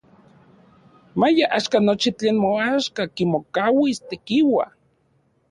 Maya axkan nochi tlen moaxka kimokauis Tekiua.